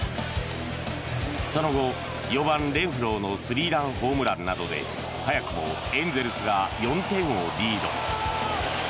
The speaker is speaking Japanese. その後、４番、レンフローのスリーランホームランなどで早くもエンゼルスが４点をリード。